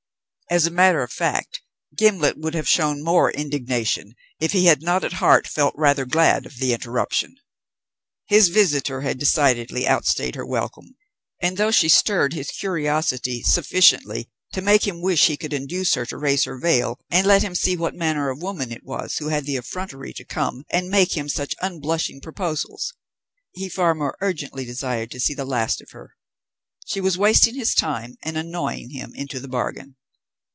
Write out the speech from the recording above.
As a matter of fact Gimblet would have shown more indignation if he had not at heart felt rather glad of the interruption. His visitor had decidedly outstayed her welcome; and, though she stirred his curiosity sufficiently to make him wish he could induce her to raise her veil and let him see what manner of woman it was who had the effrontery to come and make him such unblushing proposals, he far more urgently desired to see the last of her. She was wasting his time and annoying him into the bargain.